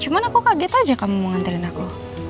cuma aku kaget aja kamu mau nganterin aku